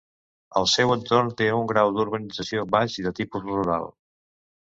El seu entorn té un grau d'urbanització baix i de tipus rural.